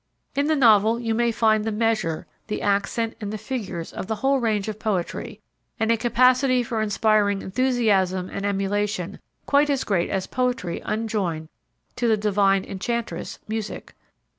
In the Novel you may find the measure, the accent and the figures of the whole range of poetry, and a capacity for inspiring enthusiasm and emulation quite as great as poetry unjoined to the divine enchantress, Music.